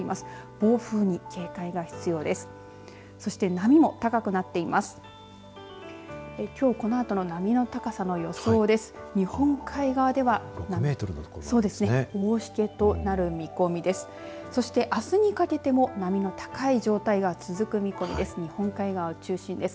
暴風に警戒が必要です。